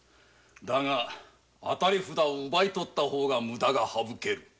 だが当たり札を奪い取った方が無駄がはぶける！